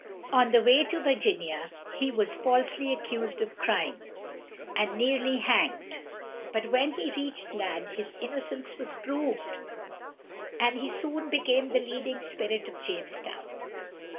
On the way to Virginia he was falsely accused of crime, and nearly hanged; but when he reached land his innocence was proved, and he soon became the leading spirit of Jamestown.